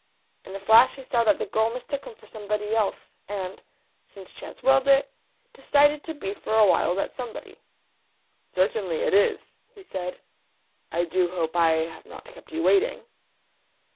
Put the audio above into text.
In a flash he saw that the girl mistook him for somebody else, and since chance willed it decided to be for a while that somebody. "Certainly, it is," he said. "I do hope I have not kept you waiting."